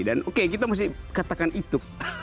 dan oke kita mesti katakan itu